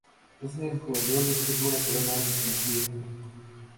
Es un jugador de fútbol lateral ambidiestro.